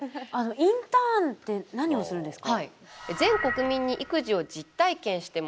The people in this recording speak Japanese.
インターンって何をするんですか？